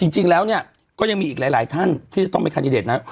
จริงแล้วเนี่ยก็ยังมีอีกหลายท่านที่จะต้องเป็นคันดิเดตนะ